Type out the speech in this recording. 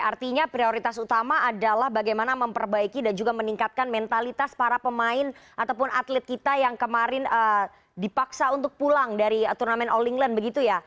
artinya prioritas utama adalah bagaimana memperbaiki dan juga meningkatkan mentalitas para pemain ataupun atlet kita yang kemarin dipaksa untuk pulang dari turnamen all england begitu ya